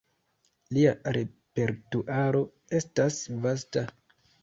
Lia repertuaro estas vasta.